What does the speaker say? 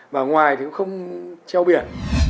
và ngoài thì cũng không treo biển